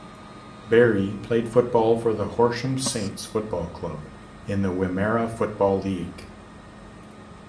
Berry played football for the Horsham Saints Football Club in the Wimmera Football League.